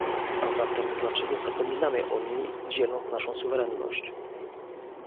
A zatem dlaczego zapominamy o niej dzieląc naszą suwerenność?